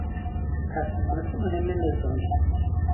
تصمیمات مهم نظامی